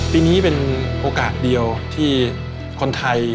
ปีนี้เป็นโอกาสเดียวที่คนไทย